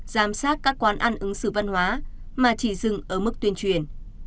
giám sát các quán ăn ứng xử văn hóa mà chỉ dừng ở mức tuyên truyền